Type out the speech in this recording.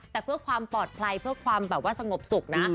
แต่เพื่อความปลอดภัยเพื่อความแบบว่าสงบสุขนะ